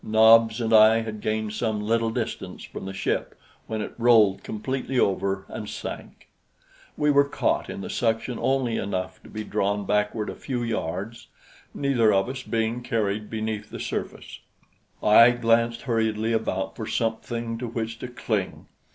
Nobs and I had gained some little distance from the ship when it rolled completely over and sank. We were caught in the suction only enough to be drawn backward a few yards, neither of us being carried beneath the surface. I glanced hurriedly about for something to which to cling.